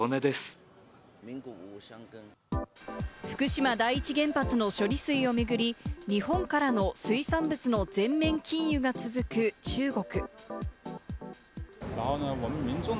福島第一原発の処理水を巡り、日本からの水産物の全面禁輸が続く中国。